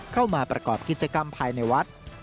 เข้ามาประกอบกิจกรรมภายในวัด